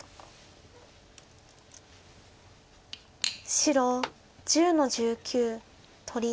白１０の十九取り。